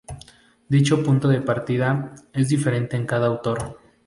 Dicho 'punto de partida' es diferente en cada autor.